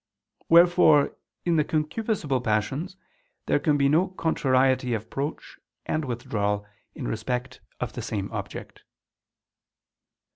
Wherefore, in the concupiscible passions, there can be no contrariety of approach and withdrawal in respect of the same object.